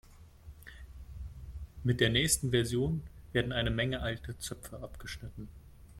Mit der nächsten Version werden eine Menge alte Zöpfe abgeschnitten.